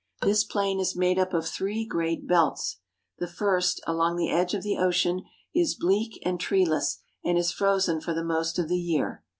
This plain is made up of three great belts. The first, along the edge of the ocean, is bleak and treeless and is frozen for the most of the year.